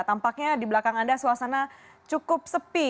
tampaknya di belakang anda suasana cukup sepi